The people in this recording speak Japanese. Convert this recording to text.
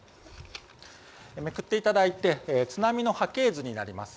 めくっていただいて津波の波形図になります。